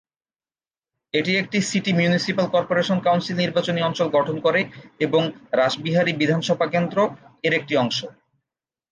এটি একটি city municipal corporation council নির্বাচনী অঞ্চল গঠন করে এবং রাসবিহারী বিধানসভা কেন্দ্র এর একটি অংশ।